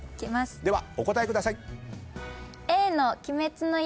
ではお答えください。